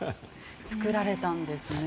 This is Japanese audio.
作られたんですね。